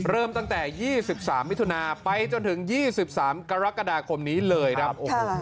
เริ่มตั้งแต่๒๓มิถุนาไปจนถึง๒๓กรกฎาคมนี้เลยครับ